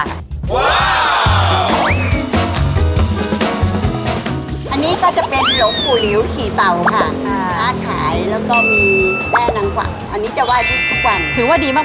อันนี้ก็จะเป็นหลงปู่หลิวขี่เตาค่ะ